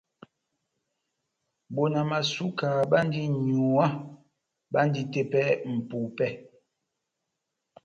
Bona Masuka bandi n’nyuwá, bandi tepɛ mʼpupɛ.